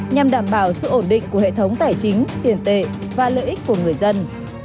nhằm đảm bảo sự ổn định của hệ thống tài chính tiền tệ và lợi ích của người dân